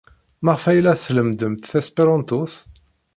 Maɣef ay la tlemmdemt tesperantot?